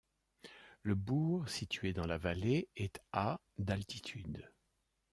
Le bourg, situé dans la vallée, est à d'altitude.